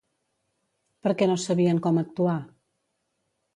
Per què no sabien com actuar?